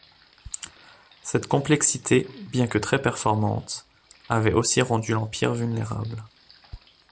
Cette complexité, bien que très performante, avait aussi rendu l'empire vulnérable.